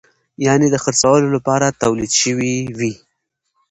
یعنې د خرڅولو لپاره تولید شوی وي.